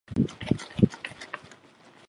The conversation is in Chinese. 与妻子郑景顺常共同撰写电视剧剧本。